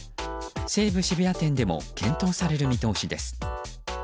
西武渋谷店でも検討される見通しです。